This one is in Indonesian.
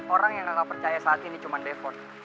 orang yang kakak percaya saat ini cuma devon